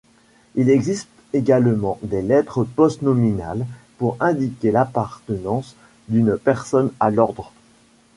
Il existe également des lettres post-nominales pour indiquer l'appartenance d'une personne à l'ordre.